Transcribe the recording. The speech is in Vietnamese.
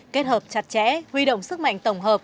kết hợp chặt chẽ huy động sức mạnh tổng hợp